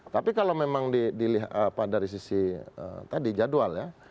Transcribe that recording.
tapi kalau memang dari sisi jadwal ya